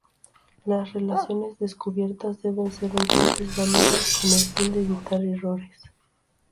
Las relaciones descubiertas deben ser entonces validadas con el fin de evitar errores.